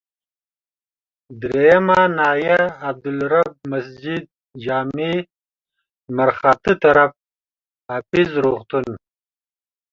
دریمه ناحيه، عبدالرب مسجدجامع لمرخاته طرف، حافظ روغتون.